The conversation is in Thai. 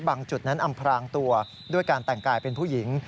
จุดนั้นอำพรางตัวด้วยการแต่งกายเป็นผู้หญิง